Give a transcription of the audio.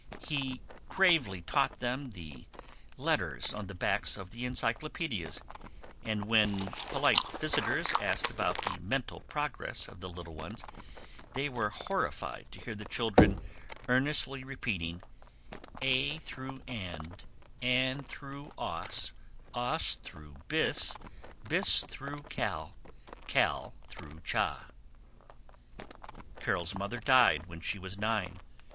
He gravely taught them the letters on the backs of the encyclopedias, and when polite visitors asked about the mental progress of the "little ones," they were horrified to hear the children earnestly repeating A And, And Aus, Aus Bis, Bis Cal, Cal Cha. Carol's mother died when she was nine.